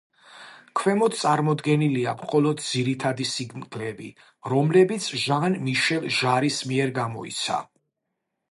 ქვემოთ წარმოდგენილია მხოლოდ ძირითადი სინგლები, რომლებიც ჟან-მიშელ ჟარის მიერ გამოიცა.